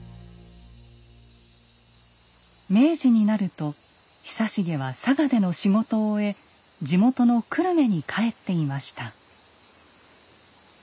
明治になると久重は佐賀での仕事を終え地元の久留米に帰っていました。